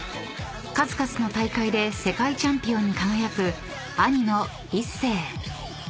［数々の大会で世界チャンピオンに輝く兄のＩＳＳＥＩ］